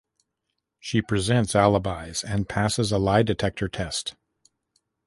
She presents alibis and passes a lie detector test.